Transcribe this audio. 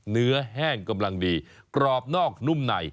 แห้งกำลังดีกรอบนอกนุ่มใน